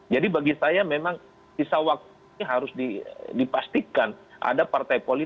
jadi bagi saya memang sisa waktu ini harus dipastikan ada partai politik